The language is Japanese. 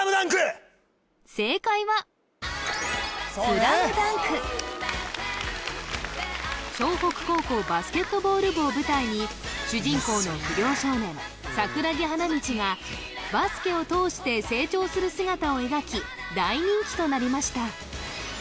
正解は湘北高校バスケットボール部を舞台に主人公の不良少年桜木花道がバスケを通して成長する姿を描き大人気となりました